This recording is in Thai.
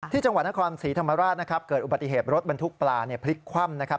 ที่จังหวัดนครศรีธรรมราชเกิดอุบัติเหตุรถบรรทุกปลาพลิกคว่ำ